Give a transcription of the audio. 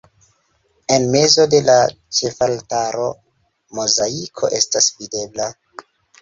En mezo de la ĉefaltaro mozaiko estas videbla.